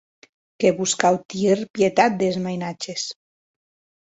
Que vos cau tier pietat des mainatges.